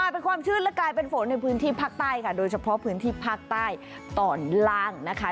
เป็นความชื่นและกลายเป็นฝนในพื้นที่ภาคใต้ค่ะโดยเฉพาะพื้นที่ภาคใต้ตอนล่างนะคะ